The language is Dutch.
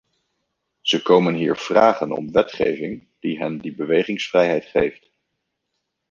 Ze komen hier vragen om wetgeving die hen die bewegingsvrijheid geeft.